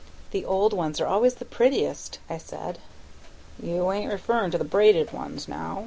"The old ones are always the prettiest," I said. "You ain't referrin' to the braided ones now?"